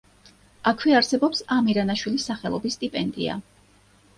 აქვე არსებობს ამირანაშვილის სახელობის სტიპენდია.